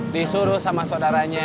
disuruh sama saudaranya